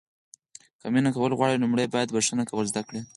که مینه کول غواړو لومړی باید بښنه کول زده کړو.